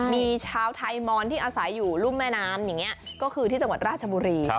มีชาวไทยมอนที่อาศัยอยู่รุ่มแม่น้ำอย่างนี้ก็คือที่จังหวัดราชบุรี